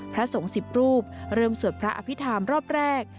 พระสงฆ์๑๐รูปเริ่มสวดพระอภิษฐรรมรอบแรก